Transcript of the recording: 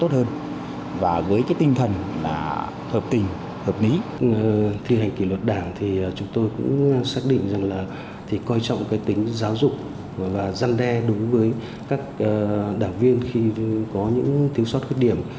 cùng với đó thì nếu như mà có những khuyết điểm thì chúng tôi cũng xác định rằng là thì coi trọng cái tính giáo dục và dân đe đối với các đảng viên khi có những thiếu sót khuyết điểm